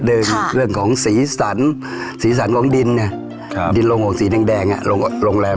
ก็คือองค์มาเป็นตีมหลักของโรงแรม